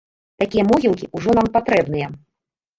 Такія могілкі ўжо нам патрэбныя.